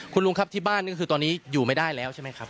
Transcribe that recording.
คุณลุงครับที่บ้านก็คือตอนนี้อยู่ไม่ได้แล้วใช่ไหมครับ